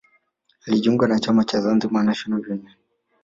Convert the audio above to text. Alijiunga na chama cha Zanzibar National Union